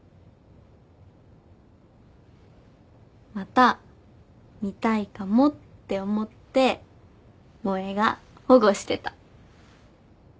また見たいかもって思って萌が保護してた。